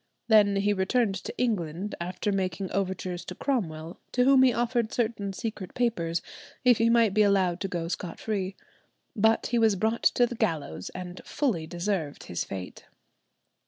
Then he returned to England, after making overtures to Cromwell, to whom he offered certain secret papers if he might be allowed to go scot free. But he was brought to the gallows, and fully deserved his fate.